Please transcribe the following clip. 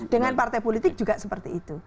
dengan partai politik juga seperti itu